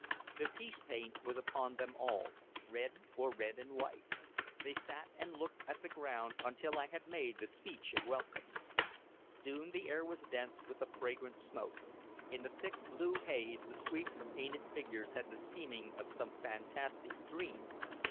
The peace paint was upon them all, red, or red and white; they sat and looked at the ground until I had made the speech of welcome. Soon the air was dense with the fragrant smoke; in the thick blue haze the sweep of painted figures had the seeming of some fantastic dream.